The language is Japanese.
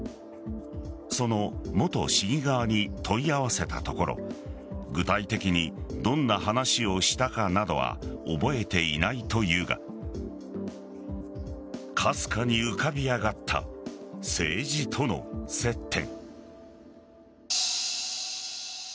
その元市議側に問い合わせたところ具体的にどんな話をしたかなどは覚えていないというがかすかに浮かび上がった政治との接点。